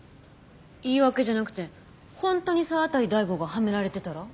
言い訳じゃなくてホントに沢渡大吾がハメられてたら？